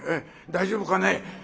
大丈夫かね？